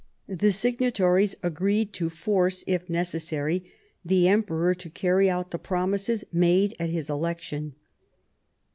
The signatories agreed to force, if necessary, the Emperor to carry out the promises made at his election.